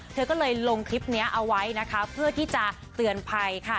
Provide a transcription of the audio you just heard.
เธอก็เลยลงคลิปนี้เอาไว้นะคะเพื่อที่จะเตือนภัยค่ะ